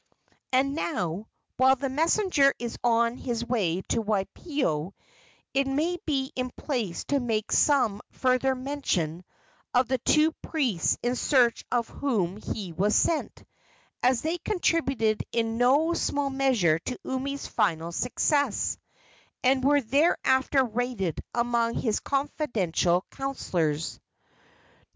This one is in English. And now, while the messenger is on his way to Waipio, it may be in place to make some further mention of the two priests in search of whom he was sent, as they contributed in no small measure to Umi's final success, and were thereafter rated among his confidential counsellors.